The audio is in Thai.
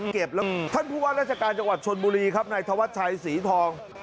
เก็บแล้วท่านผู้ว่าราชการจังหวัดชนบุรีครับในทวชชัยสีทอง